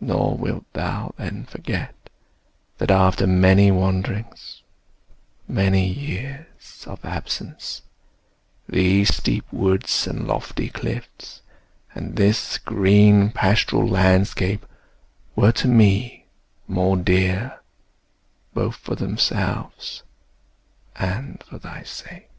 Nor wilt thou then forget, That after many wanderings, many years Of absence, these steep woods and lofty cliffs, And this green pastoral landscape, were to me More dear, both for themselves and for thy sake!